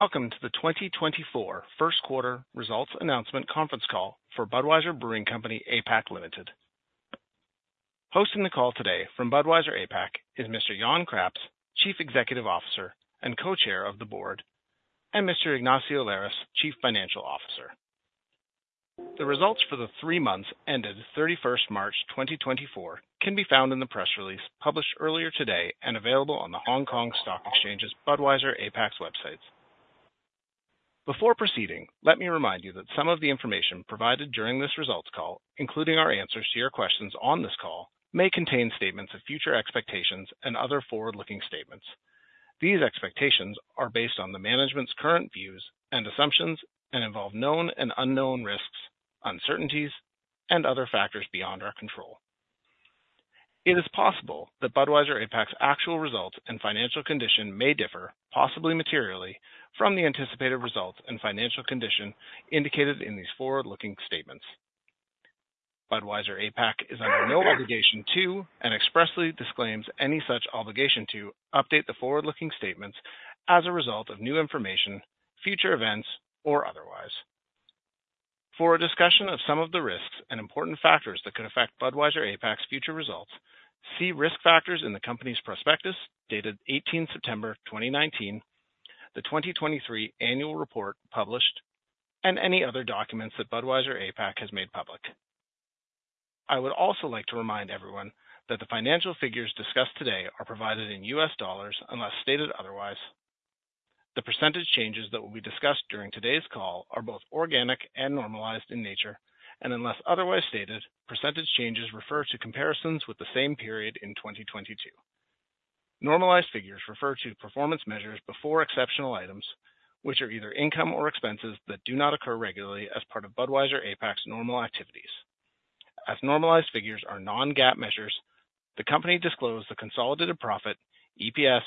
Welcome to the 2024 Q1 Results Announcement Conference Call for Budweiser Brewing Company APAC Ltd. Hosting the call today from Budweiser APAC is Mr. Jan Craps, Chief Executive Officer and Co-Chair of the Board, and Mr. Ignacio Lares, Chief Financial Officer. The results for the three months ended 31 March 2024 can be found in the press release published earlier today and available on the Hong Kong Stock Exchange's Budweiser APAC's websites. Before proceeding, let me remind you that some of the information provided during this results call, including our answers to your questions on this call, may contain statements of future expectations and other forward-looking statements. These expectations are based on the management's current views and assumptions and involve known and unknown risks, uncertainties, and other factors beyond our control. It is possible that Budweiser APAC's actual results and financial condition may differ, possibly materially, from the anticipated results and financial condition indicated in these forward-looking statements. Budweiser APAC is under no obligation to and expressly disclaims any such obligation to update the forward-looking statements as a result of new information, future events, or otherwise. For a discussion of some of the risks and important factors that could affect Budweiser APAC's future results, see risk factors in the company's prospectus dated 18 September 2019, the 2023 Annual Report published, and any other documents that Budweiser APAC has made public. I would also like to remind everyone that the financial figures discussed today are provided in U.S. dollars unless stated otherwise. The percentage changes that will be discussed during today's call are both organic and normalized in nature, and unless otherwise stated, percentage changes refer to comparisons with the same period in 2022. Normalized figures refer to performance measures before exceptional items, which are either income or expenses that do not occur regularly as part of Budweiser APAC's normal activities. As normalized figures are non-GAAP measures, the company disclosed the consolidated profit, EPS,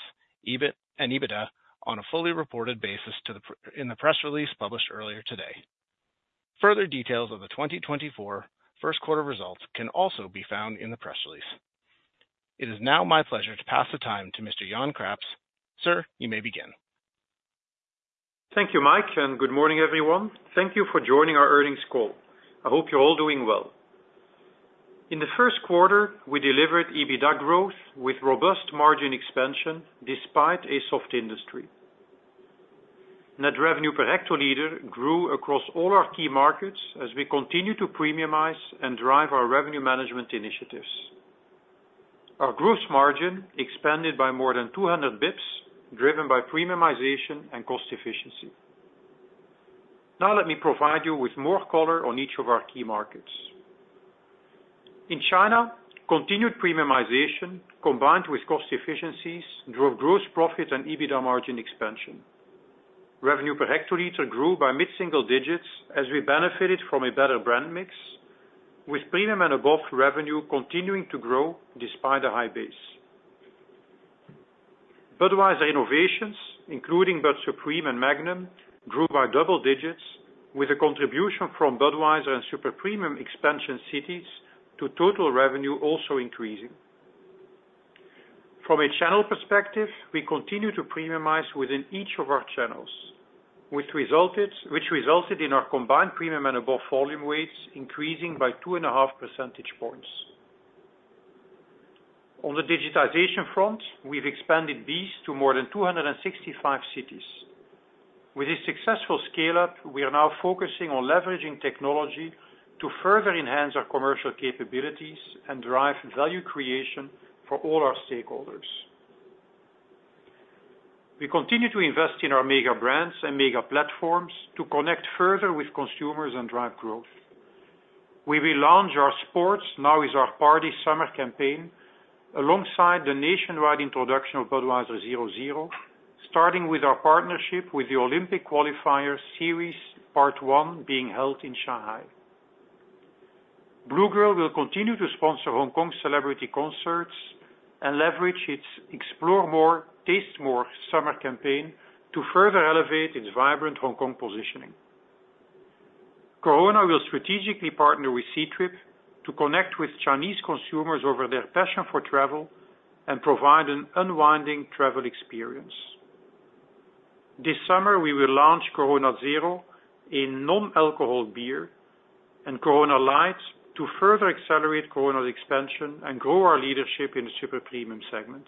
EBIT, and EBITDA on a fully reported basis in the press release published earlier today. Further details of the 2024 Q1 Results can also be found in the press release. It is now my pleasure to pass the time to Mr. Jan Craps. Sir, you may begin. Thank you, Mike, and good morning, everyone. Thank you for joining our earnings call. I hope you're all doing well. In the Q1, we delivered EBITDA growth with robust margin expansion despite a soft industry. Net revenue per hectoliter grew across all our key markets as we continue to premiumize and drive our revenue management initiatives. Our gross margin expanded by more than 200 bps, driven by premiumization and cost efficiency. Now let me provide you with more color on each of our key markets. In China, continued premiumization combined with cost efficiencies drove gross profit and EBITDA margin expansion. Revenue per hectoliter grew by mid-single digits as we benefited from a better brand mix, with premium and above revenue continuing to grow despite a high base. Budweiser innovations, including Bud Supreme and Magnum, grew by double digits, with a contribution from Budweiser and Super Premium expansion cities to total revenue also increasing. From a channel perspective, we continue to premiumize within each of our channels, which resulted in our combined premium and above volume weights increasing by 2.5 percentage points. On the digitization front, we've expanded BEES to more than 265 cities. With this successful scale-up, we are now focusing on leveraging technology to further enhance our commercial capabilities and drive value creation for all our stakeholders. We continue to invest in our mega brands and mega platforms to connect further with consumers and drive growth. We relaunch our sports-now is our party-summer campaign alongside the nationwide introduction of Budweiser 0.0, starting with our partnership with the Olympic Qualifier Series Part 1 being held in Shanghai. Blue Girl will continue to sponsor Hong Kong celebrity concerts and leverage its "Explore More, Taste More" summer campaign to further elevate its vibrant Hong Kong positioning. Corona will strategically partner with Ctrip to connect with Chinese consumers over their passion for travel and provide an unwinding travel experience. This summer, we will launch Corona Zero in non-alcoholic beer and Corona Light to further accelerate Corona's expansion and grow our leadership in the Super Premium segment.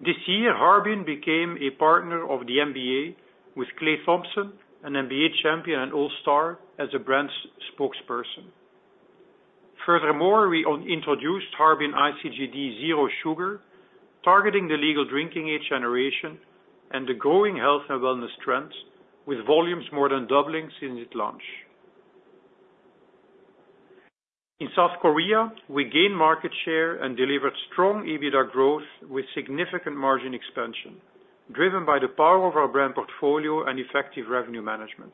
This year, Harbin became a partner of the NBA with Klay Thompson, an NBA champion and All-Star, as a brand spokesperson. Furthermore, we introduced Harbin ICGD Zero Sugar, targeting the legal drinking age generation and the growing health and wellness trends, with volumes more than doubling since its launch. In South Korea, we gained market share and delivered strong EBITDA growth with significant margin expansion, driven by the power of our brand portfolio and effective revenue management.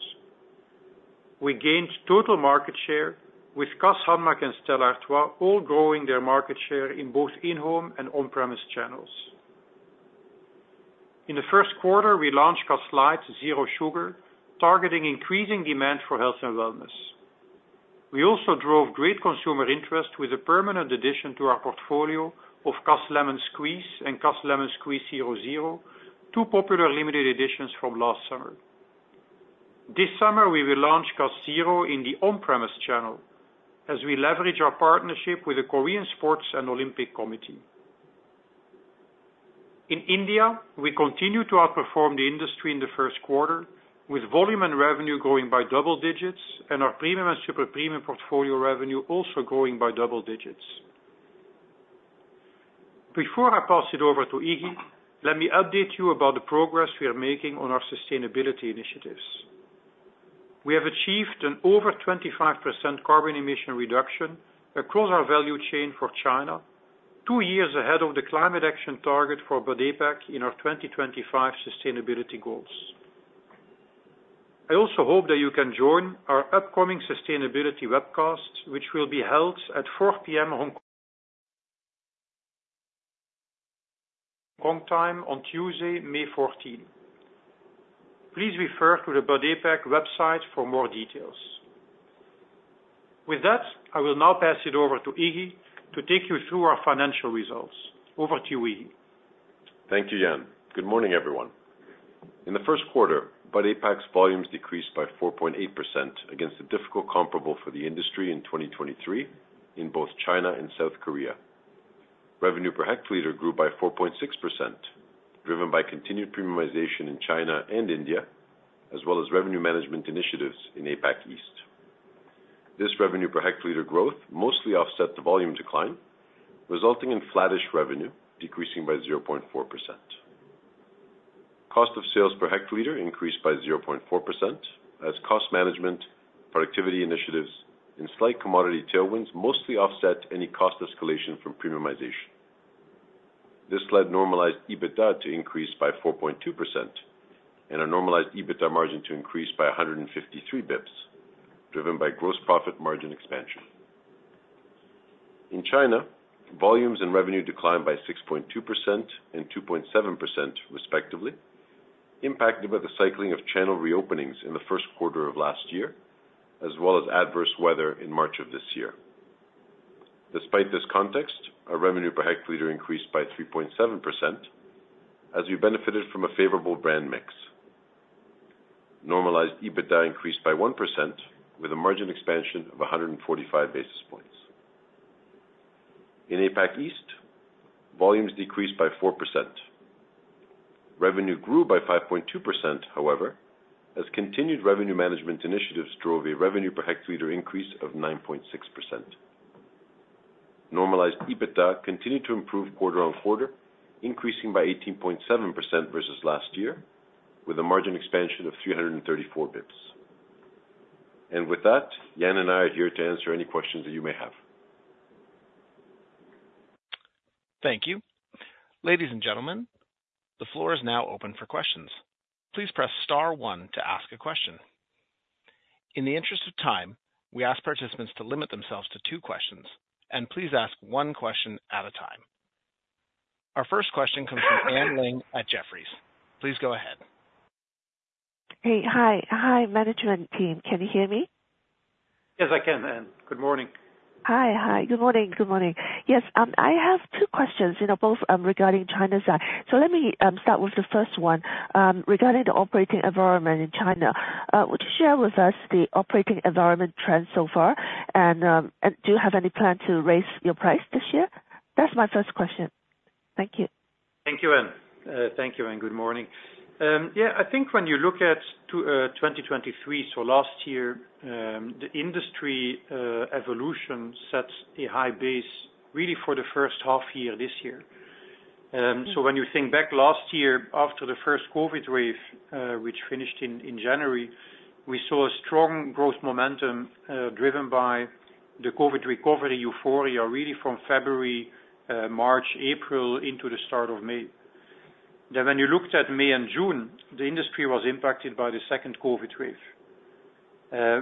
We gained total market share, with Cass, Hanmac, and Stellar III all growing their market share in both in-home and on-premise channels. In the Q1, we launched Cass Light Zero Sugar, targeting increasing demand for health and wellness. We also drove great consumer interest with a permanent addition to our portfolio of Cass Lemon Squeeze and Cass Lemon Squeeze 0.0, two popular limited editions from last summer. This summer, we will launch Cass Zero in the on-premise channel as we leverage our partnership with the Korean Sports and Olympic Committee. In India, we continue to outperform the industry in the Q1, with volume and revenue growing by double digits and our premium and Super Premium portfolio revenue also growing by double digits. Before I pass it over to Ignacio, let me update you about the progress we are making on our sustainability initiatives. We have achieved an over 25% carbon emission reduction across our value chain for China, two years ahead of the climate action target for Bud APAC in our 2025 sustainability goals. I also hope that you can join our upcoming sustainability webcast, which will be held at 4:00 P.M. Hong Kong time on Tuesday, May 14. Please refer to the Bud APAC website for more details. With that, I will now pass it over to Ignacio to take you through our financial results. Over to you, Ignacio. Thank you, Jan. Good morning, everyone. In the Q1, Bud APAC's volumes decreased by 4.8% against a difficult comparable for the industry in 2023 in both China and South Korea. Revenue per hectoliter grew by 4.6%, driven by continued premiumization in China and India, as well as revenue management initiatives in APAC East. This revenue per hectoliter growth mostly offset the volume decline, resulting in flat-ish revenue decreasing by 0.4%. Cost of sales per hectoliter increased by 0.4%, as cost management, productivity initiatives, and slight commodity tailwinds mostly offset any cost escalation from premiumization. This led normalized EBITDA to increase by 4.2% and our normalized EBITDA margin to increase by 153 BIPs, driven by gross profit margin expansion. In China, volumes and revenue declined by 6.2% and 2.7%, respectively, impacted by the cycling of channel reopenings in the Q1 of last year, as well as adverse weather in March of this year. Despite this context, our revenue per hectoliter increased by 3.7%, as we benefited from a favorable brand mix. Normalized EBITDA increased by 1%, with a margin expansion of 145 basis points. In APAC East, volumes decreased by 4%. Revenue grew by 5.2%, however, as continued revenue management initiatives drove a revenue per hectoliter increase of 9.6%. Normalized EBITDA continued to improve quarter-on-quarter, increasing by 18.7% versus last year, with a margin expansion of 334 BIPs. With that, Jan and I are here to answer any questions that you may have. Thank you. Ladies and gentlemen, the floor is now open for questions. Please press star one to ask a question. In the interest of time, we ask participants to limit themselves to two questions, and please ask one question at a time. Our first question comes from Anne Ling at Jefferies. Please go ahead. Hey. Hi. Hi, management team. Can you hear me? Yes, I can, Anne. Good morning. Hi. Hi. Good morning. Good morning. Yes, I have two questions, both regarding China's side. So let me start with the first one. Regarding the operating environment in China, would you share with us the operating environment trends so far and do you have any plan to raise your price this year? That's my first question. Thank you. Thank you, Anne. Thank you, Anne. Good morning. Yeah, I think when you look at 2023, so last year, the industry evolution sets a high base, really for the first half year this year. So when you think back last year, after the first COVID wave, which finished in January, we saw a strong growth momentum driven by the COVID recovery euphoria, really from February, March, April into the start of May. Then when you looked at May and June, the industry was impacted by the second COVID wave.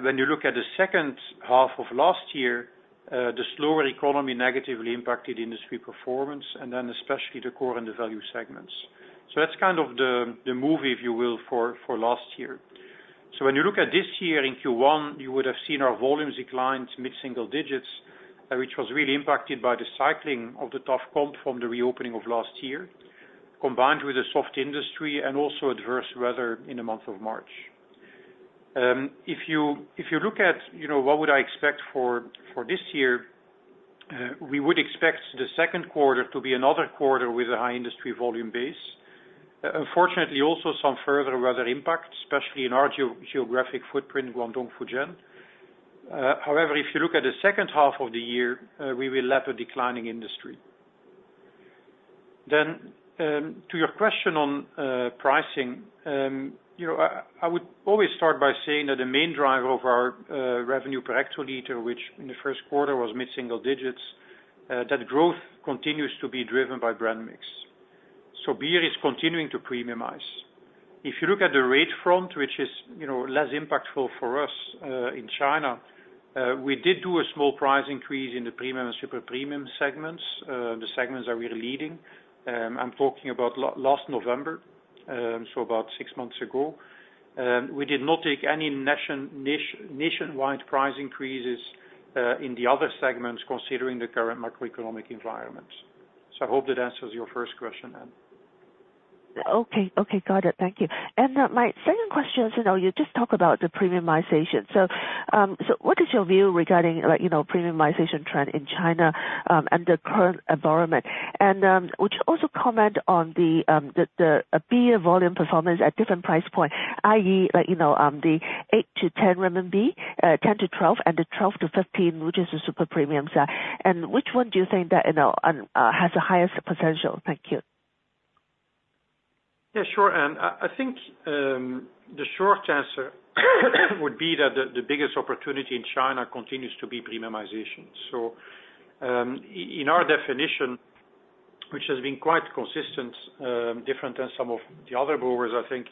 When you look at the second half of last year, the slower economy negatively impacted industry performance, and then especially the core and the value segments. So that's kind of the movie, if you will, for last year. So when you look at this year in Q1, you would have seen our volume declined mid-single digits, which was really impacted by the cycling of the tough comp from the reopening of last year, combined with a soft industry and also adverse weather in the month of March. If you look at what would I expect for this year, we would expect the Q2 to be another quarter with a high industry volume base, unfortunately also some further weather impact, especially in our geographic footprint, Guangdong-Fujian. However, if you look at the second half of the year, we will lap a declining industry. Then to your question on pricing, I would always start by saying that the main driver of our revenue per hectoliter, which in the Q1 was mid-single digits, that growth continues to be driven by brand mix. So beer is continuing to premiumize. If you look at the rate front, which is less impactful for us in China, we did do a small price increase in the premium and super premium segments, the segments that we're leading. I'm talking about last November, so about six months ago. We did not take any nationwide price increases in the other segments considering the current macroeconomic environment. So I hope that answers your first question, Ann. Okay. Okay. Got it. Thank you. And my second question is you just talked about the premiumization. So what is your view regarding premiumization trend in China and the current environment? And would you also comment on the beer volume performance at different price points, i.e., the 8-10 renminbi, 10-12, and the 12-15, which is the super premium side? And which one do you think that has the highest potential? Thank you. Yeah, sure, Ann. I think the short answer would be that the biggest opportunity in China continues to be premiumization. So in our definition, which has been quite consistent, different than some of the other brewers, I think,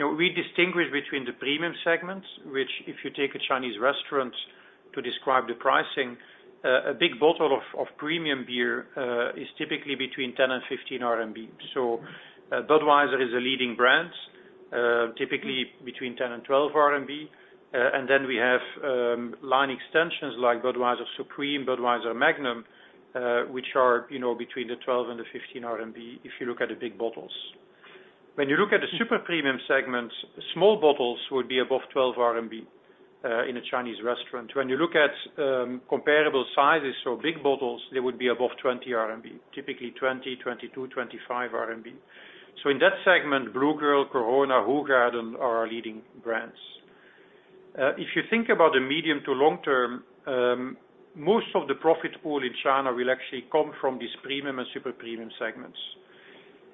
we distinguish between the premium segments, which if you take a Chinese restaurant to describe the pricing, a big bottle of premium beer is typically between 10-15 RMB. So Budweiser is a leading brand, typically between 10-12 RMB. And then we have line extensions like Budweiser Supreme, Budweiser Magnum, which are between the 12-15 RMB if you look at the big bottles. When you look at the super premium segments, small bottles would be above 12 RMB in a Chinese restaurant. When you look at comparable sizes, so big bottles, they would be above 20 RMB, typically 20, 22, 25 RMB. So in that segment, Blue Girl, Corona, Hoegaarden are our leading brands. If you think about the medium to long term, most of the profit pool in China will actually come from these premium and super premium segments.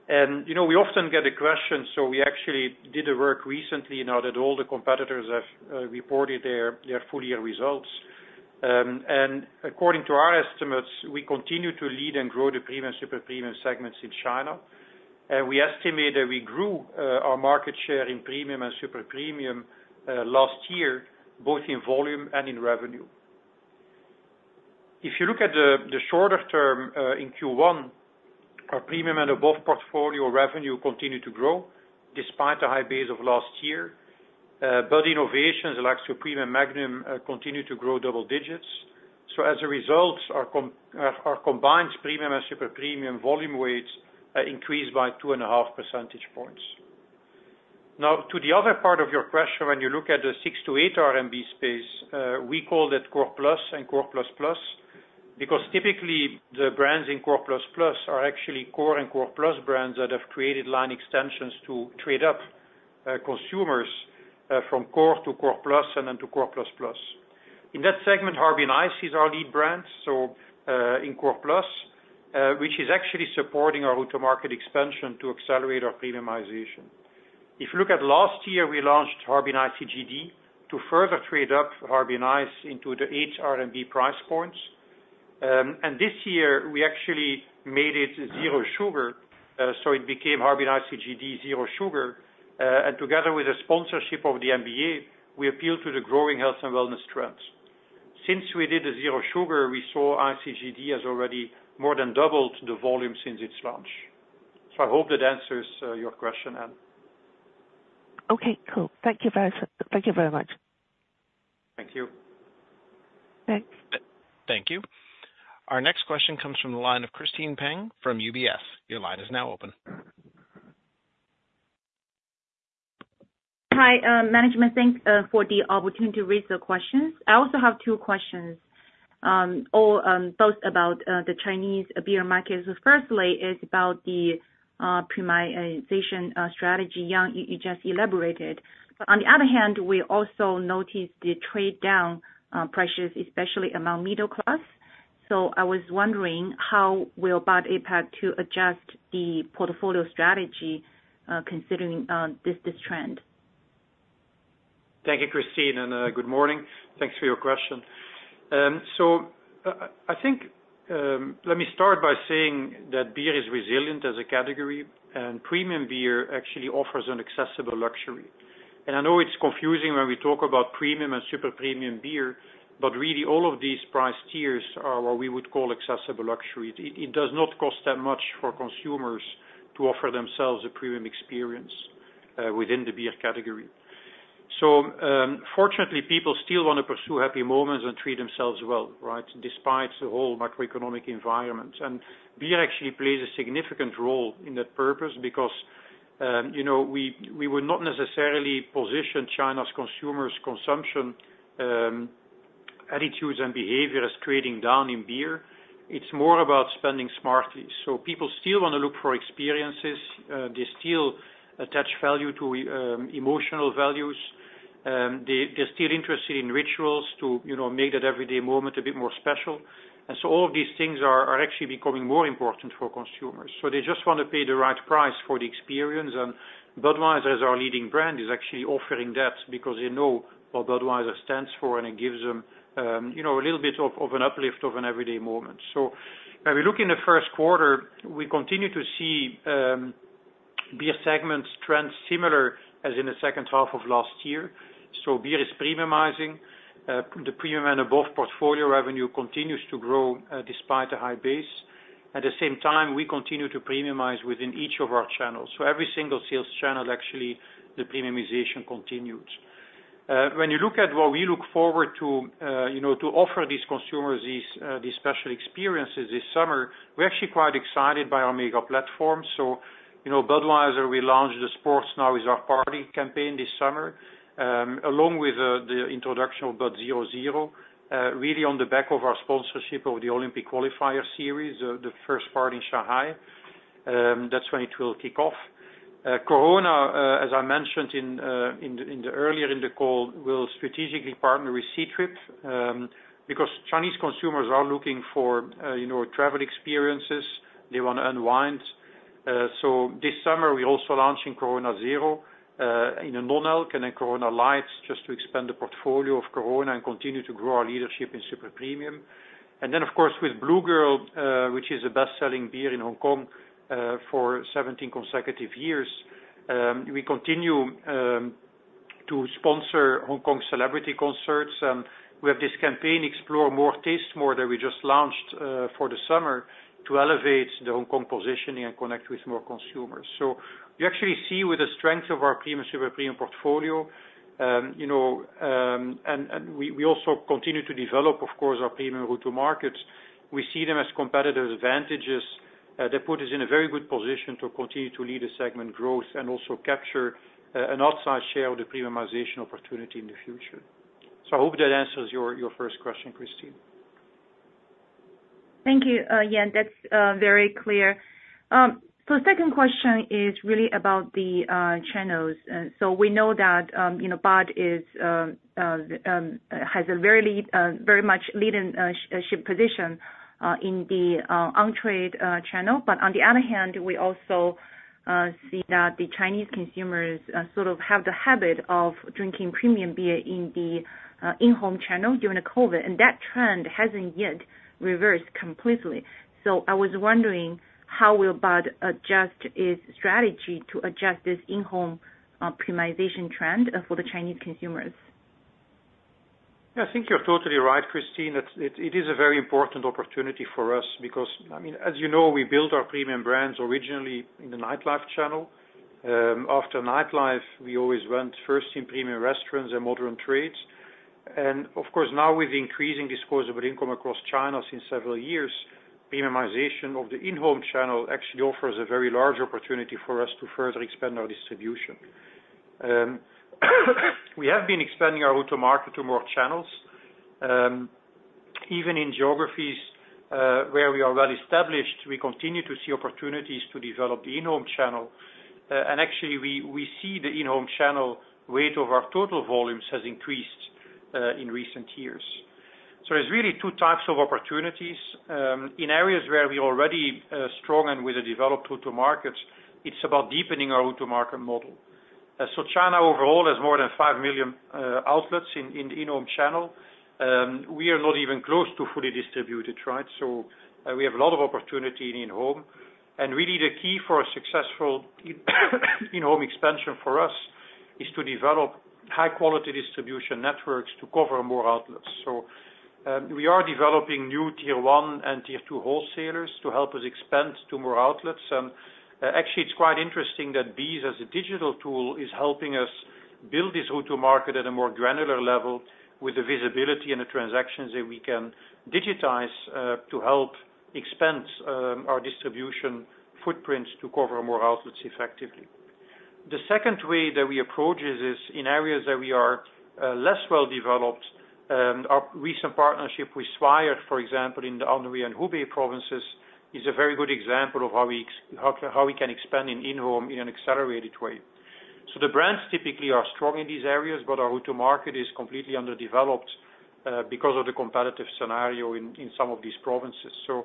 We often get the question, so we actually did the work recently now that all the competitors have reported their full-year results. According to our estimates, we continue to lead and grow the premium and super premium segments in China. We estimate that we grew our market share in premium and super premium last year, both in volume and in revenue. If you look at the shorter term in Q1, our premium and above portfolio revenue continued to grow despite the high base of last year. Bud Innovations, like Super Premium and Magnum, continued to grow double digits. So as a result, our combined premium and super premium volume weights increased by 2.5 percentage points. Now, to the other part of your question, when you look at the 6-8 RMB space, we call that Core Plus and Core Plus Plus because typically, the brands in Core Plus Plus are actually core and Core Plus brands that have created line extensions to trade up consumers from Core to Core Plus and then to Core Plus Plus. In that segment, Harbin ICE is our lead brand, so in Core Plus, which is actually supporting our route-to-market expansion to accelerate our premiumization. If you look at last year, we launched Harbin ICGD to further trade up Harbin ICE into the 8 RMB price points. And this year, we actually made it Zero Sugar, so it became Harbin ICGD Zero Sugar. Together with the sponsorship of the NBA, we appealed to the growing health and wellness trends. Since we did the Zero Sugar, we saw ICGD has already more than doubled the volume since its launch. So I hope that answers your question, Ann. Okay. Cool. Thank you very much. Thank you. Thanks. Thank you. Our next question comes from the line of Christine Peng from UBS. Your line is now open. Hi, management. Thanks for the opportunity to raise your questions. I also have two questions, both about the Chinese beer market. So firstly, it's about the prioritization strategy Jan just elaborated. But on the other hand, we also noticed the trade-down pressures, especially among middle class. So I was wondering how will Bud APAC adjust the portfolio strategy considering this trend? Thank you, Christine. Good morning. Thanks for your question. I think let me start by saying that beer is resilient as a category, and premium beer actually offers an accessible luxury. I know it's confusing when we talk about premium and super premium beer, but really, all of these price tiers are what we would call accessible luxury. It does not cost that much for consumers to offer themselves a premium experience within the beer category. Fortunately, people still want to pursue happy moments and treat themselves well, right, despite the whole macroeconomic environment. Beer actually plays a significant role in that purpose because we will not necessarily position China's consumers' consumption attitudes and behavior as trading down in beer. It's more about spending smartly. People still want to look for experiences. They still attach value to emotional values. They're still interested in rituals to make that everyday moment a bit more special. All of these things are actually becoming more important for consumers. They just want to pay the right price for the experience. Budweiser as our leading brand is actually offering that because they know what Budweiser stands for, and it gives them a little bit of an uplift of an everyday moment. When we look in the Q1, we continue to see beer segments trend similar as in the second half of last year. Beer is premiumizing. The premium and above portfolio revenue continues to grow despite the high base. At the same time, we continue to premiumize within each of our channels. Every single sales channel, actually, the premiumization continued. When you look at what we look forward to offer these consumers, these special experiences this summer, we're actually quite excited by our mega platform. So Budweiser, we launched the Sports Now Is Our Party campaign this summer, along with the introduction of Bud 0.0, really on the back of our sponsorship of the Olympic Qualifier Series, the first part in Shanghai. That's when it will kick off. Corona, as I mentioned earlier in the call, will strategically partner with Ctrip because Chinese consumers are looking for travel experiences. They want to unwind. So this summer, we're also launching Corona Zero, a non-alcoholic, and Corona Light just to expand the portfolio of Corona and continue to grow our leadership in super premium. And then, of course, with Blue Girl, which is the best-selling beer in Hong Kong for 17 consecutive years, we continue to sponsor Hong Kong celebrity concerts. We have this campaign, Explore More Taste More, that we just launched for the summer to elevate the Hong Kong positioning and connect with more consumers. So you actually see with the strength of our premium super premium portfolio and we also continue to develop, of course, our premium route to markets, we see them as competitive advantages that put us in a very good position to continue to lead the segment growth and also capture an upside share of the premiumization opportunity in the future. So I hope that answers your first question, Christine. Thank you, Jan. That's very clear. So the second question is really about the channels. So we know that Bud has a very much leadership position in the on-trade channel. But on the other hand, we also see that the Chinese consumers sort of have the habit of drinking premium beer in the in-home channel during COVID. And that trend hasn't yet reversed completely. So I was wondering how will Bud adjust its strategy to adjust this in-home premiumization trend for the Chinese consumers? Yeah, I think you're totally right, Christine. It is a very important opportunity for us because, I mean, as you know, we built our premium brands originally in the nightlife channel. After nightlife, we always went first in premium restaurants and modern trades. And of course, now with increasing disposable income across China since several years, premiumization of the in-home channel actually offers a very large opportunity for us to further expand our distribution. We have been expanding our route to market to more channels. Even in geographies where we are well established, we continue to see opportunities to develop the in-home channel. And actually, we see the in-home channel weight of our total volumes has increased in recent years. So there's really two types of opportunities. In areas where we're already strong and with a developed route to market, it's about deepening our route to market model. So China overall has more than five million outlets in the in-home channel. We are not even close to fully distributed, right? So we have a lot of opportunity in home. And really, the key for a successful in-home expansion for us is to develop high-quality distribution networks to cover more outlets. So we are developing new tier one and tier two wholesalers to help us expand to more outlets. And actually, it's quite interesting that BEES as a digital tool is helping us build this route to market at a more granular level with the visibility and the transactions that we can digitize to help expand our distribution footprint to cover more outlets effectively. The second way that we approach it is in areas that we are less well developed. Our recent partnership with Swire, for example, in the Hunan and Hubei provinces is a very good example of how we can expand in-home in an accelerated way. So the brands typically are strong in these areas, but our route to market is completely underdeveloped because of the competitive scenario in some of these provinces. So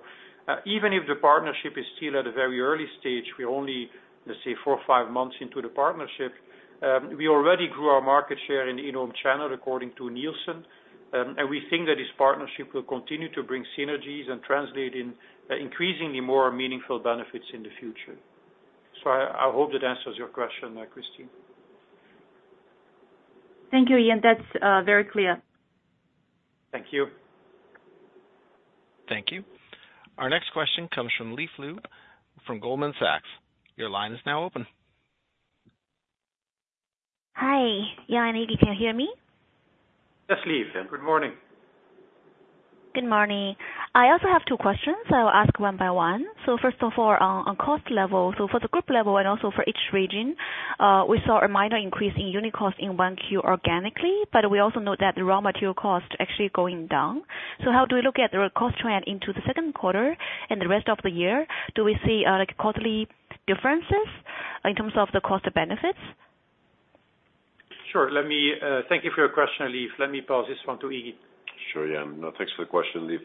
even if the partnership is still at a very early stage, we're only, let's say, 4 or 5 months into the partnership, we already grew our market share in the in-home channel according to Nielsen. And we think that this partnership will continue to bring synergies and translate in increasingly more meaningful benefits in the future. So I hope that answers your question, Christine. Thank you, Jan. That's very clear. Thank you. Thank you. Our next question comes from Levi Lou from Goldman Sachs. Your line is now open. Hi, Jan, can you hear me? Yes, Leaf. Good morning. Good morning. I also have 2 questions. I'll ask one by one. So first of all, on cost level, so for the group level and also for each region, we saw a minor increase in unit cost in 1Q organically, but we also note that the raw material cost actually going down. So how do we look at the cost trend into the Q2 and the rest of the year? Do we see quarterly differences in terms of the cost of benefits? Sure. Thank you for your question, Levi. Let me pass this one to Iggy. Sure, Jan. Thanks for the question, Levi.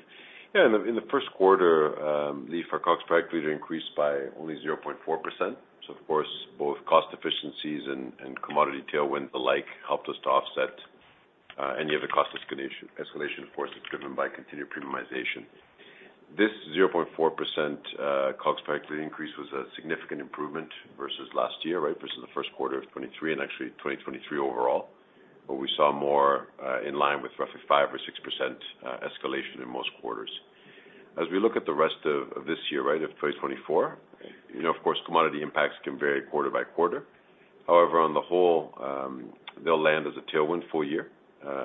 Yeah, in the Q1, Levi, our COGS per hectoliter increased by only 0.4%. So, of course, both cost efficiencies and commodity tailwinds alike helped us to offset any of the cost escalation, of course, that's driven by continued premiumization. This 0.4% COGS per hectoliter increase was a significant improvement versus last year, right, versus the Q1 of 2023 and actually 2023 overall, where we saw more in line with roughly 5% or 6% escalation in most quarters. As we look at the rest of this year, right, of 2024, of course, commodity impacts can vary quarter by quarter. However, on the whole, they'll land as a tailwind full year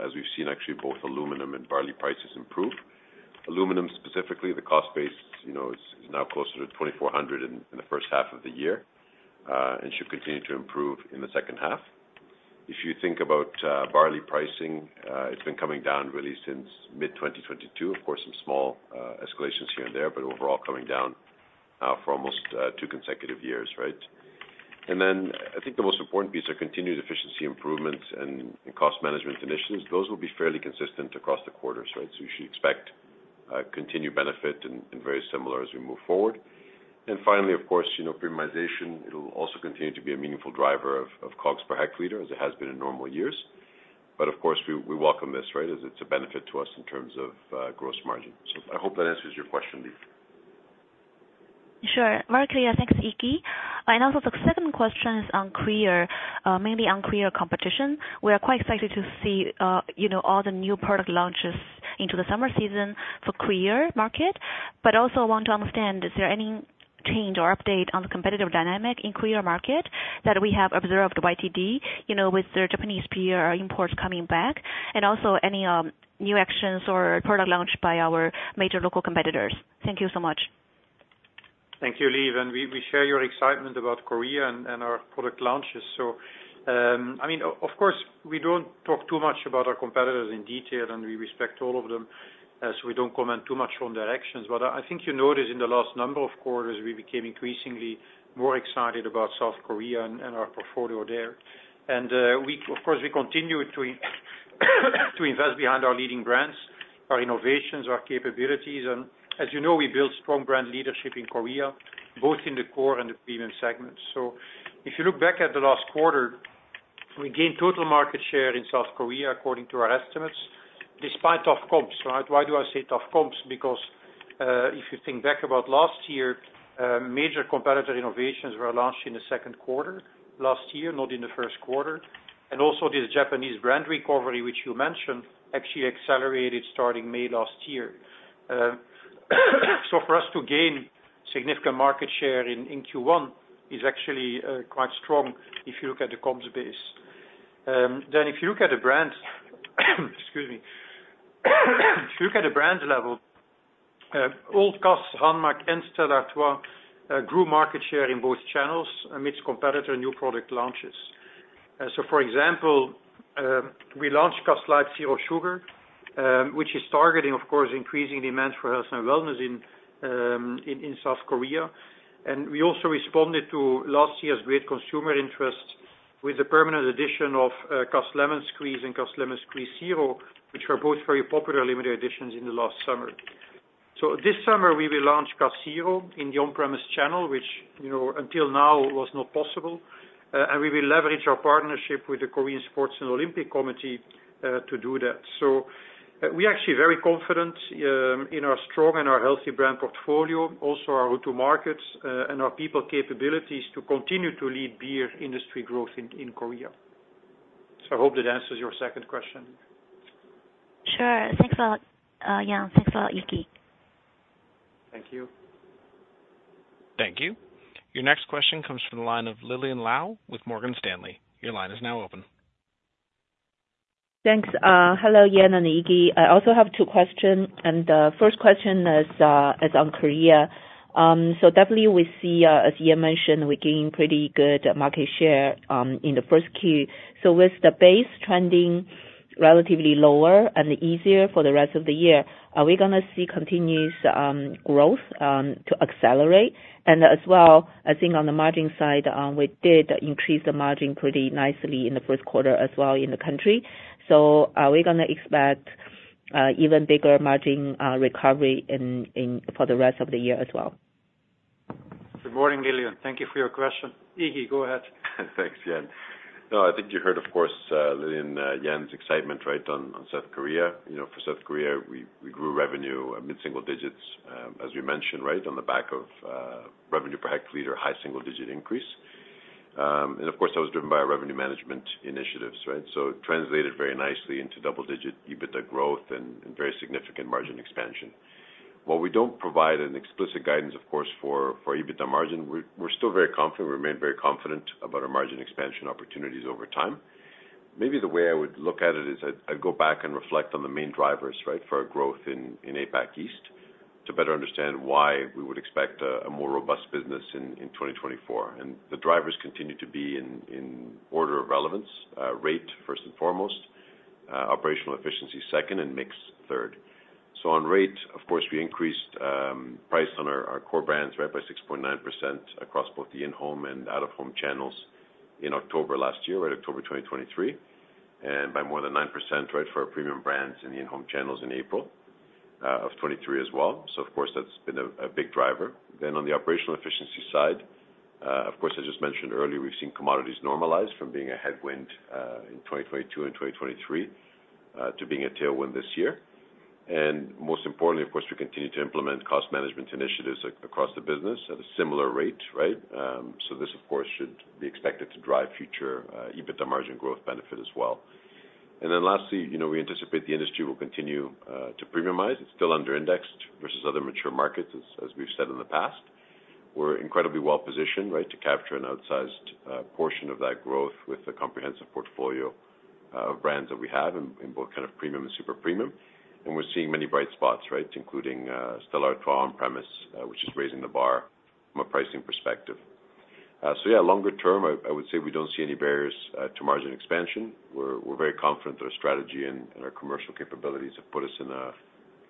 as we've seen actually both aluminum and barley prices improve. Aluminum specifically, the cost base is now closer to 2,400 in the first half of the year and should continue to improve in the second half. If you think about barley pricing, it's been coming down really since mid-2022. Of course, some small escalations here and there, but overall, coming down now for almost two consecutive years, right? And then I think the most important piece are continued efficiency improvements and cost management initiatives. Those will be fairly consistent across the quarters, right? So you should expect continued benefit and very similar as we move forward. And finally, of course, premiumization, it'll also continue to be a meaningful driver of COGS per hectoliter as it has been in normal years. But of course, we welcome this, right, as it's a benefit to us in terms of gross margin. So I hope that answers your question, Levi. Sure. Very clear. Thanks, Iggy. The second question is mainly on Korea competition. We are quite excited to see all the new product launches into the summer season for Korea market. But also I want to understand, is there any change or update on the competitive dynamic in Korea market that we have observed YTD with the Japanese peer imports coming back and also any new actions or product launch by our major local competitors? Thank you so much. Thank you, Levi. We share your excitement about Korea and our product launches. So, I mean, of course, we don't talk too much about our competitors in detail, and we respect all of them. We don't comment too much on their actions. But I think you noticed in the last number of quarters, we became increasingly more excited about South Korea and our portfolio there. Of course, we continue to invest behind our leading brands, our innovations, our capabilities. And as you know, we built strong brand leadership in Korea, both in the core and the premium segments. So if you look back at the last quarter, we gained total market share in South Korea according to our estimates despite tough comps, right? Why do I say tough comps? Because if you think back about last year, major competitor innovations were launched in the Q2 last year, not in the Q1. And also this Japanese brand recovery, which you mentioned, actually accelerated starting May last year. So for us to gain significant market share in Q1 is actually quite strong if you look at the comps base. Then if you look at the brands, excuse me. If you look at the brands level, Cass, HANMAC, and Stellar III grew market share in both channels amidst competitor new product launches. So, for example, we launched Cass Light Zero Sugar, which is targeting, of course, increasing demand for health and wellness in South Korea. And we also responded to last year's great consumer interest with the permanent addition of Cass Lemon Squeeze and Cass Lemon Squeeze 0.0, which were both very popular limited editions in the last summer. This summer, we will launch Cass Zero in the on-premise channel, which until now was not possible. We will leverage our partnership with the Korean Sports and Olympic Committee to do that. We're actually very confident in our strong and our healthy brand portfolio, also our route to markets, and our people capabilities to continue to lead beer industry growth in Korea. I hope that answers your second question, Levi. Sure. Thanks a lot, Jan. Thanks a lot, Iggy. Thank you. Thank you. Your next question comes from the line of Lillian Lou with Morgan Stanley. Your line is now open. Thanks. Hello, Jan and Iggy. I also have two questions. The first question is on Korea. So definitely, we see, as Jan mentioned, we're gaining pretty good market share in the first Q. So with the base trending relatively lower and easier for the rest of the year, are we going to see continuous growth to accelerate? And as well, I think on the margin side, we did increase the margin pretty nicely in the Q1 as well in the country. So are we going to expect even bigger margin recovery for the rest of the year as well? Good morning, Lillian. Thank you for your question. Iggy, go ahead. Thanks, Jan. No, I think you heard, of course, Lillian, Jan's excitement, right, on South Korea. For South Korea, we grew revenue mid-single digits, as we mentioned, right, on the back of revenue per hectoliter, a high single-digit increase. Of course, that was driven by our revenue management initiatives, right? So translated very nicely into double-digit EBITDA growth and very significant margin expansion. While we don't provide an explicit guidance, of course, for EBITDA margin, we're still very confident. We remain very confident about our margin expansion opportunities over time. Maybe the way I would look at it is I'd go back and reflect on the main drivers, right, for our growth in APAC East to better understand why we would expect a more robust business in 2024. The drivers continue to be in order of relevance: rate, first and foremost; operational efficiency, second; and mix, third. So on rate, of course, we increased price on our core brands, right, by 6.9% across both the in-home and out-of-home channels in October last year, right, October 2023, and by more than 9%, right, for our premium brands in the in-home channels in April 2023 as well. Of course, that's been a big driver. On the operational efficiency side, of course, as just mentioned earlier, we've seen commodities normalize from being a headwind in 2022 and 2023 to being a tailwind this year. Most importantly, of course, we continue to implement cost management initiatives across the business at a similar rate, right? This, of course, should be expected to drive future EBITDA margin growth benefit as well. Then lastly, we anticipate the industry will continue to premiumize. It's still underindexed versus other mature markets, as we've said in the past. We're incredibly well-positioned, right, to capture an outsized portion of that growth with a comprehensive portfolio of brands that we have in both kind of premium and super-premium. We're seeing many bright spots, right, including Stellar III on-premise, which is raising the bar from a pricing perspective. Yeah, longer term, I would say we don't see any barriers to margin expansion. We're very confident that our strategy and our commercial capabilities have put us in a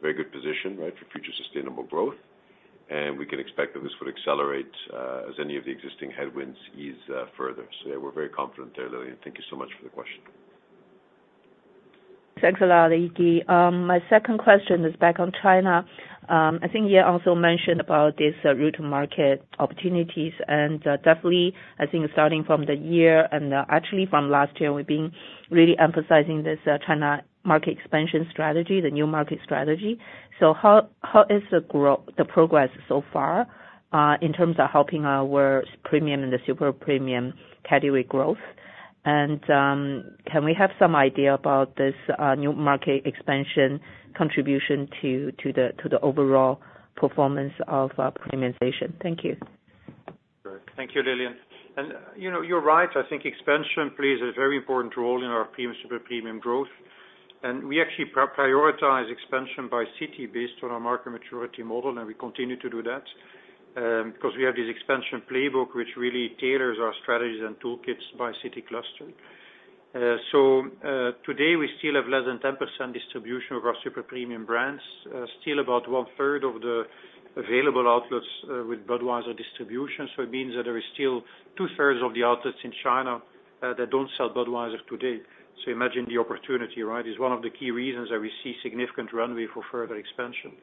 very good position, right, for future sustainable growth. We can expect that this would accelerate as any of the existing headwinds ease further. Yeah, we're very confident there, Lillian. Thank you so much for the question. Thanks a lot, Iggy. My second question is back on China. I think Jan also mentioned about these route to market opportunities. And definitely, I think starting from the year and actually from last year, we've been really emphasizing this China market expansion strategy, the new market strategy. So how is the progress so far in terms of helping our premium and the superpremium category growth? And can we have some idea about this new market expansion contribution to the overall performance of premiumization? Thank you. Sure. Thank you, Lillian. You're right. I think expansion plays is a very important role in our premium superpremium growth. We actually prioritize expansion by city based on our market maturity model. We continue to do that because we have this expansion playbook, which really tailors our strategies and toolkits by city cluster. So today, we still have less than 10% distribution of our superpremium brands, still about one-third of the available outlets with Budweiser distribution. So it means that there is still two-thirds of the outlets in China that don't sell Budweiser today. So imagine the opportunity, right, is one of the key reasons that we see significant runway for further expansion.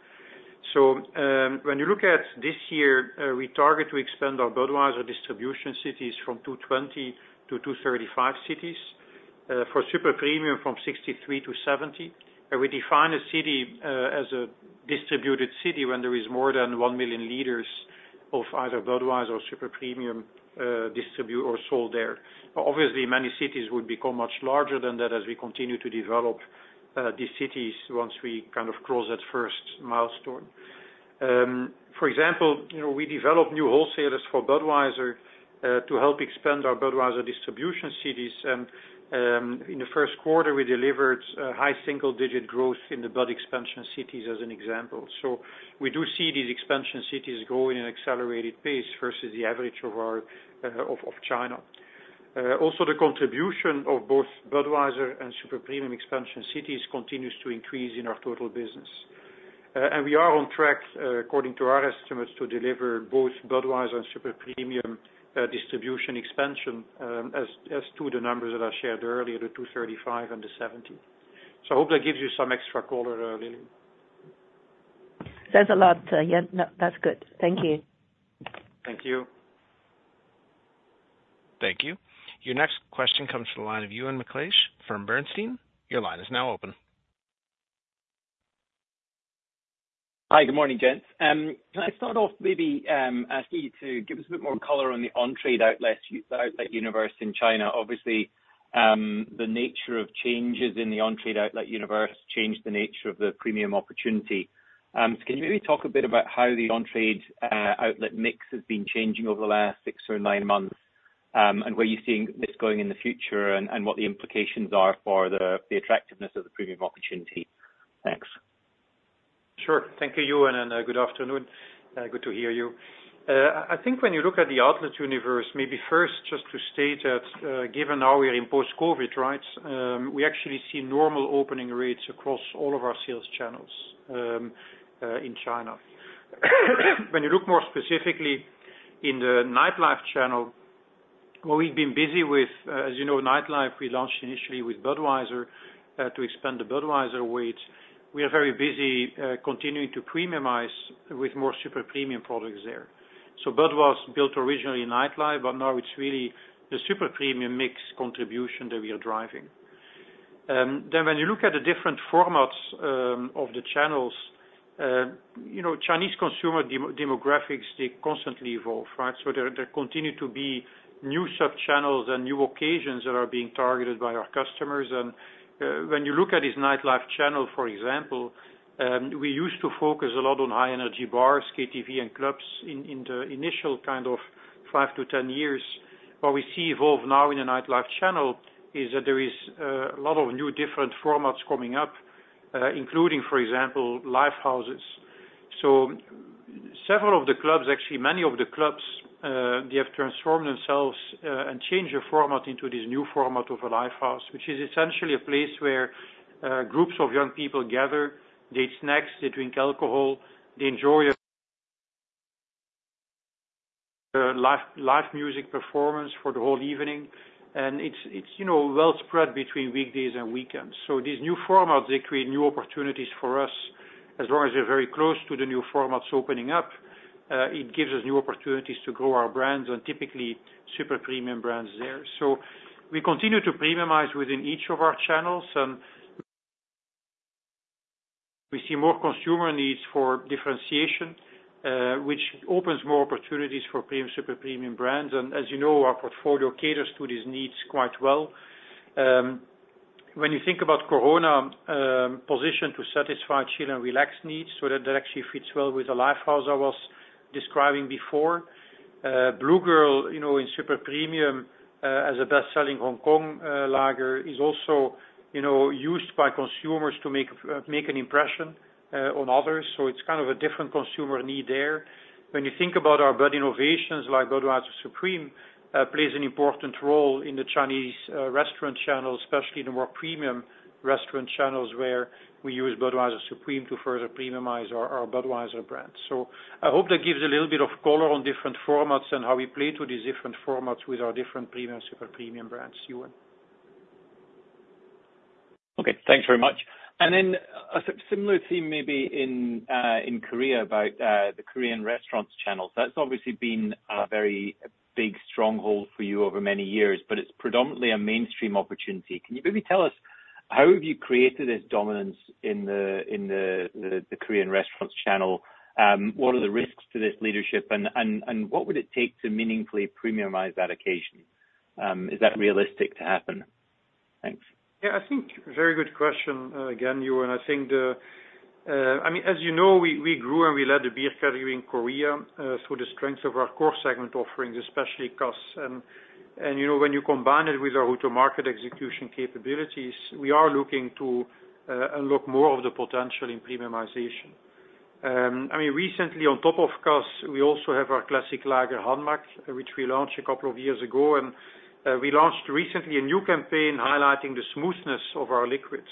So when you look at this year, we target to expand our Budweiser distribution cities from 220 to 235 cities, for superpremium from 63 to 70. We define a city as a distributed city when there is more than 1 million liters of either Budweiser or super premium sold there. Obviously, many cities would become much larger than that as we continue to develop these cities once we kind of cross that first milestone. For example, we develop new wholesalers for Budweiser to help expand our Budweiser distribution cities. In the Q1, we delivered high single-digit growth in the Bud expansion cities as an example. We do see these expansion cities grow in an accelerated pace versus the average of China. Also, the contribution of both Budweiser and super premium expansion cities continues to increase in our total business. We are on track, according to our estimates, to deliver both Budweiser and super premium distribution expansion as to the numbers that I shared earlier, the 235 and the 70. I hope that gives you some extra color, Lillian. That's a lot, Jan. No, that's good. Thank you. Thank you. Thank you. Your next question comes from the line of Euan McLeish from Bernstein. Your line is now open. Hi. Good morning, Jen. Can I start off maybe asking you to give us a bit more color on the on-trade outlet universe in China? Obviously, the nature of changes in the on-trade outlet universe changed the nature of the premium opportunity. So can you maybe talk a bit about how the on-trade outlet mix has been changing over the last six or nine months and where you're seeing this going in the future and what the implications are for the attractiveness of the premium opportunity? Thanks. Sure. Thank you, Euan, and good afternoon. Good to hear you. I think when you look at the outlet universe, maybe first just to state that given how we're in post-COVID, right, we actually see normal opening rates across all of our sales channels in China. When you look more specifically in the nightlife channel, where we've been busy with as you know, nightlife, we launched initially with Budweiser to expand the Budweiser weight. We are very busy continuing to premiumize with more superpremium products there. So Budweiser was built originally in nightlife, but now it's really the superpremium mix contribution that we are driving. Then when you look at the different formats of the channels, Chinese consumer demographics, they constantly evolve, right? So there continue to be new subchannels and new occasions that are being targeted by our customers. When you look at this nightlife channel, for example, we used to focus a lot on high-energy bars, KTV, and clubs in the initial kind of 5-10 years. What we see evolve now in the nightlife channel is that there is a lot of new different formats coming up, including, for example, live houses. Several of the clubs actually, many of the clubs, they have transformed themselves and changed their format into this new format of a live house, which is essentially a place where groups of young people gather. They eat snacks. They drink alcohol. They enjoy a live music performance for the whole evening. It's well spread between weekdays and weekends. These new formats, they create new opportunities for us. As long as we're very close to the new formats opening up, it gives us new opportunities to grow our brands and typically superpremium brands there. So we continue to premiumize within each of our channels. And we see more consumer needs for differentiation, which opens more opportunities for superpremium brands. And as you know, our portfolio caters to these needs quite well. When you think about Corona, positioned to satisfy chill and relax needs, so that actually fits well with the lifestyle I was describing before. Blue Girl in superpremium as a best-selling Hong Kong lager is also used by consumers to make an impression on others. So it's kind of a different consumer need there. When you think about our Bud innovations like Bud Supreme, it plays an important role in the Chinese restaurant channels, especially the more premium restaurant channels where we use Bud Supreme to further premiumize our Budweiser brand. So I hope that gives a little bit of color on different formats and how we play to these different formats with our different premium superpremium brands, Euan. Okay. Thanks very much. And then a similar theme maybe in Korea about the Korean restaurants channels. That's obviously been a very big stronghold for you over many years, but it's predominantly a mainstream opportunity. Can you maybe tell us how have you created this dominance in the Korean restaurants channel? What are the risks to this leadership? And what would it take to meaningfully premiumize that occasion? Is that realistic to happen? Thanks. Yeah. I think very good question, again, Euan. I think the I mean, as you know, we grew and we led the beer category in Korea through the strengths of our core segment offerings, especially Cass. And when you combine it with our route to market execution capabilities, we are looking to unlock more of the potential in premiumization. I mean, recently, on top of Cass, we also have our classic lager, HANMAC, which we launched a couple of years ago. And we launched recently a new campaign highlighting the smoothness of our liquids.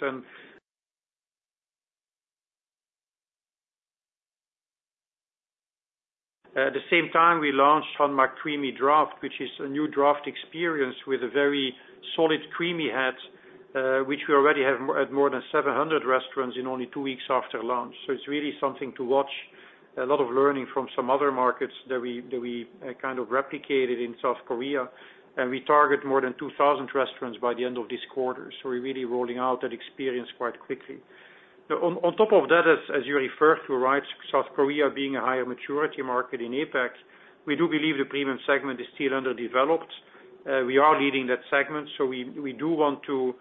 And at the same time, we launched HANMAC Creamy Draft, which is a new draft experience with a very solid creamy head, which we already have at more than 700 restaurants in only two weeks after launch. It's really something to watch, a lot of learning from some other markets that we kind of replicated in South Korea. We target more than 2,000 restaurants by the end of this quarter. We're really rolling out that experience quite quickly. Now, on top of that, as you referred to, right, South Korea being a higher maturity market in APAC, we do believe the premium segment is still underdeveloped. We are leading that segment. We do want to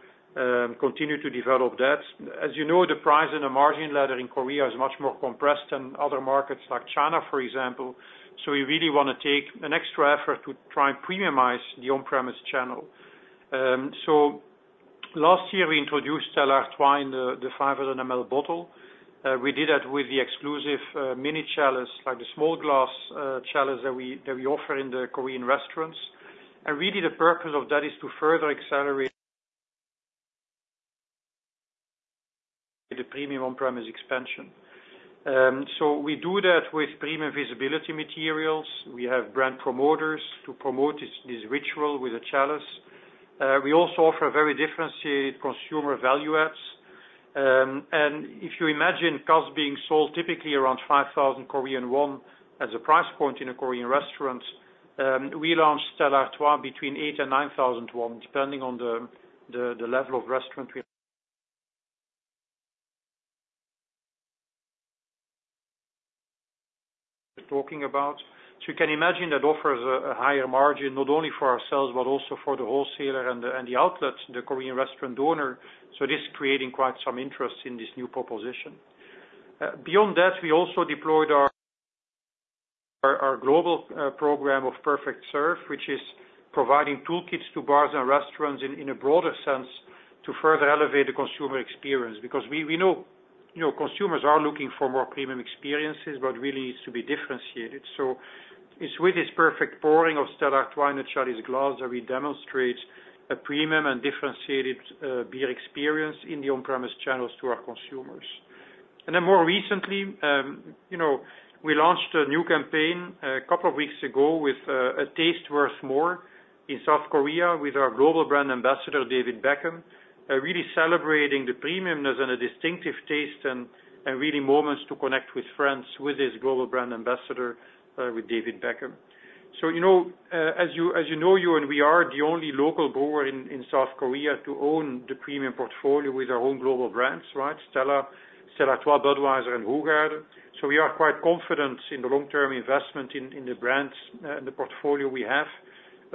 continue to develop that. As you know, the price and the margin ladder in Korea is much more compressed than other markets like China, for example. We really want to take an extra effort to try and premiumize the on-premise channel. Last year, we introduced Stellar III in the 500 mL bottle. We did that with the exclusive mini chalice, like the small glass chalice that we offer in the Korean restaurants. Really, the purpose of that is to further accelerate the premium on-premise expansion. We do that with premium visibility materials. We have brand promoters to promote this ritual with a chalice. We also offer very differentiated consumer value adds. If you imagine Cass being sold typically around 5,000 Korean won as a price point in a Korean restaurant, we launched Stellar III between 8,000-9,000 won, depending on the level of restaurant we're talking about. You can imagine that offers a higher margin, not only for ourselves but also for the wholesaler and the outlet, the Korean restaurant owner. This is creating quite some interest in this new proposition. Beyond that, we also deployed our global program of Perfect Serve, which is providing toolkits to bars and restaurants in a broader sense to further elevate the consumer experience because we know consumers are looking for more premium experiences, but it really needs to be differentiated. So it's with this perfect pouring of Stellar III in the Chalice glass that we demonstrate a premium and differentiated beer experience in the on-premise channels to our consumers. And then more recently, we launched a new campaign a couple of weeks ago with A Taste Worth More in South Korea with our global brand ambassador, David Beckham, really celebrating the premiumness and a distinctive taste and really moments to connect with friends with this global brand ambassador, with David Beckham. As you know, Euan, we are the only local brewer in South Korea to own the premium portfolio with our own global brands, right, Stellar, Stellar III, Budweiser, and Hoegaarden. We are quite confident in the long-term investment in the brands and the portfolio we have,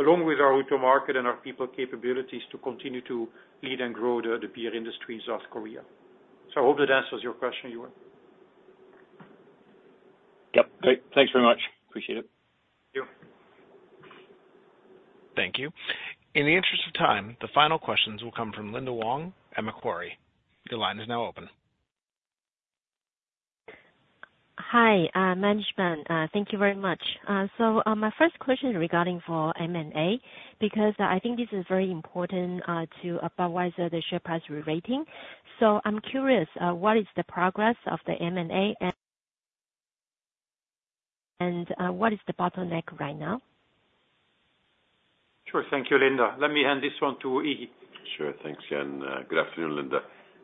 along with our route to market and our people capabilities to continue to lead and grow the beer industry in South Korea. I hope that answers your question, Euan. Yep. Great. Thanks very much. Appreciate it. Thank you. Thank you. In the interest of time, the final questions will come from Linda Huang at Macquarie. Your line is now open. Hi, management. Thank you very much. So my first question is regarding M&A because I think this is very important to Budweiser, the share price re-rating. So I'm curious, what is the progress of the M&A? And what is the bottleneck right now? Sure. Thank you, Linda. Let me hand this one to Iggy. Sure. Thanks, Jen. Good afternoon, Linda.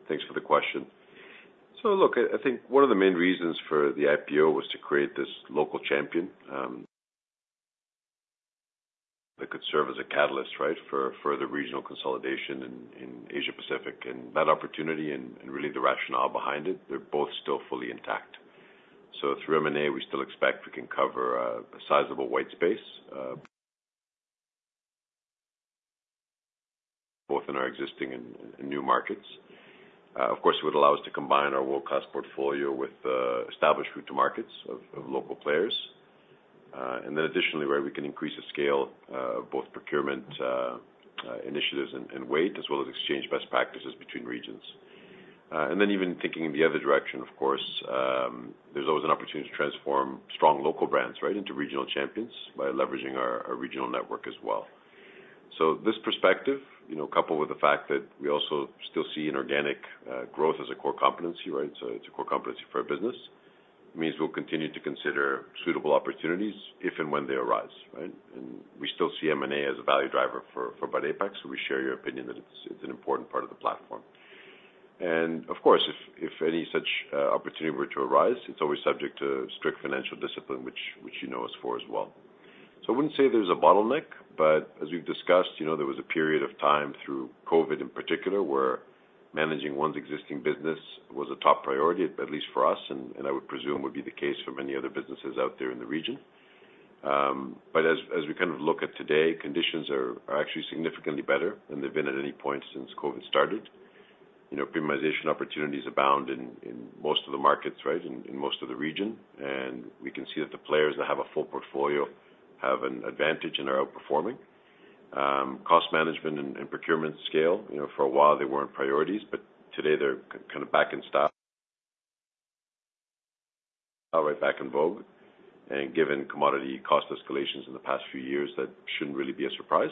Thanks for the question. So look, I think one of the main reasons for the IPO was to create this local champion that could serve as a catalyst, right, for further regional consolidation in Asia-Pacific. And that opportunity and really the rationale behind it, they're both still fully intact. So through M&A, we still expect we can cover a sizable white space, both in our existing and new markets. Of course, it would allow us to combine our world-class portfolio with established route to markets of local players. And then additionally, right, we can increase the scale of both procurement initiatives and weight, as well as exchange best practices between regions. And then even thinking in the other direction, of course, there's always an opportunity to transform strong local brands, right, into regional champions by leveraging our regional network as well. So this perspective, coupled with the fact that we also still see an organic growth as a core competency, right, so it's a core competency for our business, means we'll continue to consider suitable opportunities if and when they arise, right? And we still see M&A as a value driver for Bud APAC, so we share your opinion that it's an important part of the platform. And of course, if any such opportunity were to arise, it's always subject to strict financial discipline, which you know us for as well. So I wouldn't say there's a bottleneck, but as we've discussed, there was a period of time through COVID in particular where managing one's existing business was a top priority, at least for us, and I would presume would be the case for many other businesses out there in the region. But as we kind of look at today, conditions are actually significantly better than they've been at any point since COVID started. Premiumization opportunities abound in most of the markets, right, in most of the region. And we can see that the players that have a full portfolio have an advantage and are outperforming. Cost management and procurement scale, for a while, they weren't priorities, but today, they're kind of back in style, right, back in vogue. And given commodity cost escalations in the past few years, that shouldn't really be a surprise.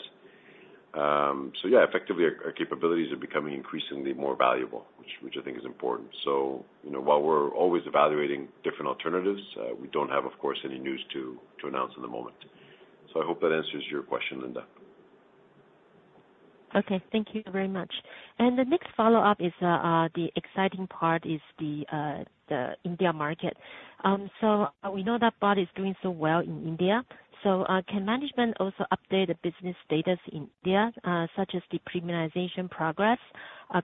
So yeah, effectively, our capabilities are becoming increasingly more valuable, which I think is important. So while we're always evaluating different alternatives, we don't have, of course, any news to announce in the moment. So I hope that answers your question, Linda. Okay. Thank you very much. And the next follow-up is the exciting part is the India market. So we know that Bud is doing so well in India. So can management also update the business status in India, such as the premiumization progress,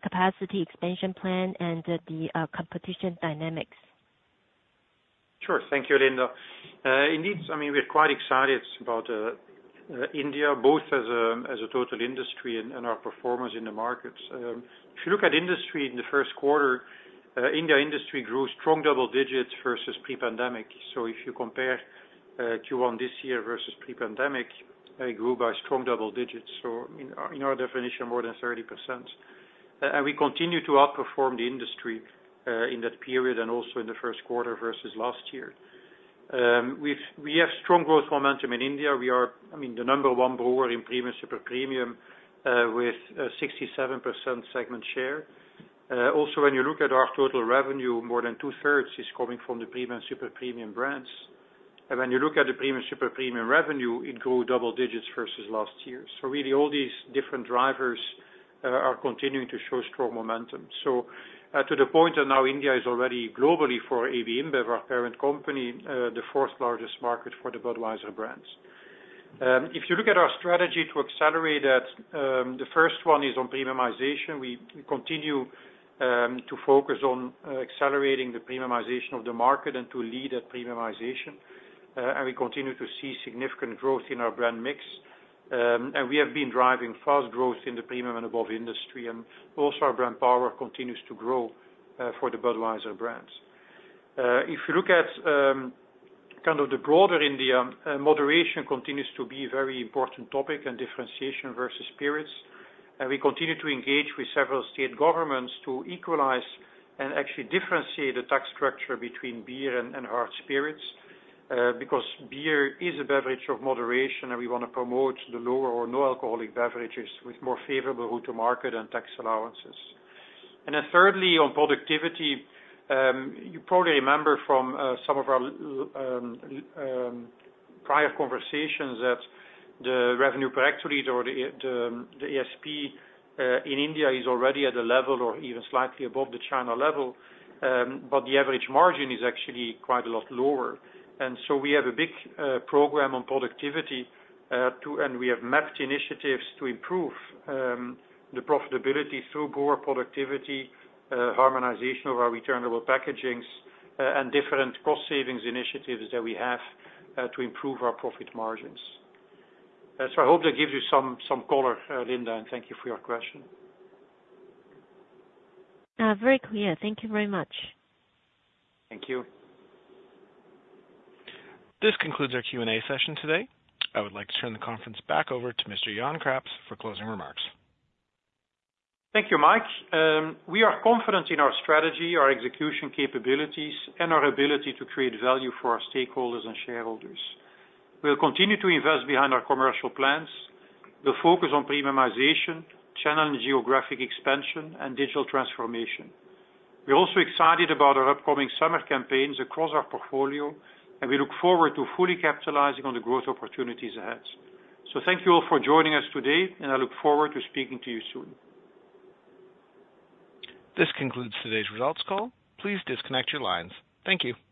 capacity expansion plan, and the competition dynamics? Sure. Thank you, Linda. Indeed, I mean, we're quite excited about India, both as a total industry and our performance in the markets. If you look at industry in the Q1, India industry grew strong double digits versus pre-pandemic. So if you compare Q1 this year versus pre-pandemic, it grew by strong double digits. So in our definition, more than 30%. And we continue to outperform the industry in that period and also in the Q1 versus last year. We have strong growth momentum in India. We are, I mean, the number one brewer in premium superpremium with 67% segment share. Also, when you look at our total revenue, more than two-thirds is coming from the premium superpremium brands. And when you look at the premium superpremium revenue, it grew double digits versus last year. So really, all these different drivers are continuing to show strong momentum. So to the point that now India is already globally for AB InBev, our parent company, the fourth largest market for the Budweiser brands. If you look at our strategy to accelerate that, the first one is on premiumization. We continue to focus on accelerating the premiumization of the market and to lead at premiumization. And we continue to see significant growth in our brand mix. And we have been driving fast growth in the premium and above industry. And also, our brand power continues to grow for the Budweiser brands. If you look at kind of the broader India, moderation continues to be a very important topic and differentiation versus spirits. We continue to engage with several state governments to equalize and actually differentiate the tax structure between beer and hard spirits because beer is a beverage of moderation, and we want to promote the lower or no-alcoholic beverages with more favorable route to market and tax allowances. Then thirdly, on productivity, you probably remember from some of our prior conversations that the revenue per hectoliter actually or the ASP in India is already at a level or even slightly above the China level, but the average margin is actually quite a lot lower. And so we have a big program on productivity, and we have mapped initiatives to improve the profitability through improved productivity, harmonization of our returnable packagings, and different cost-savings initiatives that we have to improve our profit margins. So I hope that gives you some color, Linda. And thank you for your question. Very clear. Thank you very much. Thank you. This concludes our Q&A session today. I would like to turn the conference back over to Mr. Jan Craps for closing remarks. Thank you, Mike. We are confident in our strategy, our execution capabilities, and our ability to create value for our stakeholders and shareholders. We'll continue to invest behind our commercial plans. We'll focus on premiumization, channeling geographic expansion, and digital transformation. We're also excited about our upcoming summer campaigns across our portfolio, and we look forward to fully capitalizing on the growth opportunities ahead. Thank you all for joining us today, and I look forward to speaking to you soon. This concludes today's results call. Please disconnect your lines. Thank you.